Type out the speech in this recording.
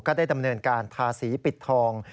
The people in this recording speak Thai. ได้ดำเนินการทาสีปิดทอง